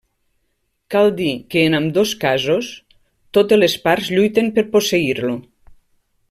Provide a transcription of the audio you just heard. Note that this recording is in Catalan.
Cal dir que en ambdós casos totes les parts lluiten per posseir-lo.